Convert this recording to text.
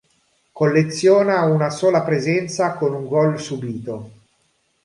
Colleziona una sola presenza con un gol subito.